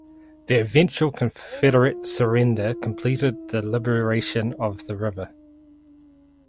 The eventual Confederate surrender completed the liberation of the river.